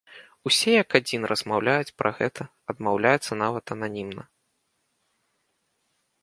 Усе як адзін размаўляць пра гэта адмаўляюцца нават ананімна.